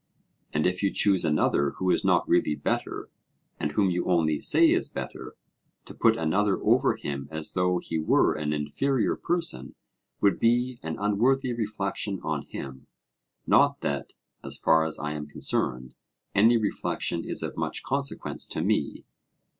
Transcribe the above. And if you choose another who is not really better, and whom you only say is better, to put another over him as though he were an inferior person would be an unworthy reflection on him; not that, as far as I am concerned, any reflection is of much consequence to me.